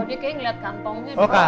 oh kantongnya dikit